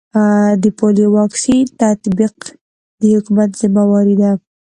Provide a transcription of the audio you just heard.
د پولیو واکسین تطبیق د حکومت ذمه واري ده